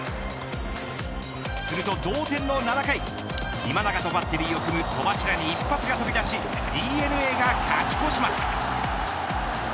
すると、同点の７回今永とバッテリーを組む戸柱に一発が飛び出しＤｅＮＡが勝ち越します。